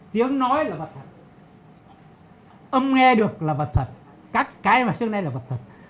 tiếng nói là vật thật âm nghe được là vật thật các cái mà xưa nay là vật thật